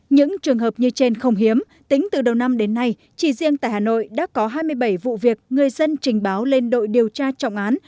những trường hợp như trên không hiếm tính từ đầu năm đến nay chỉ riêng tại hà nội đã có hai mươi bảy vụ việc người dân trình báo lên đội điều tra trọng án